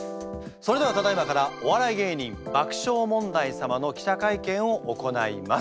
それではただいまからお笑い芸人爆笑問題様の記者会見を行います。